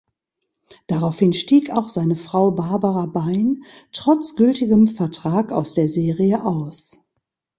Daraufhin stieg auch seine Frau Barbara Bain trotz gültigem Vertrag aus der Serie aus.